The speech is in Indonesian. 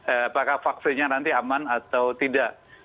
apakah vaksinnya nanti aman atau tidak